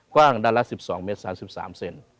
กว้างด้านละ๑๒เมตร๓๓เซน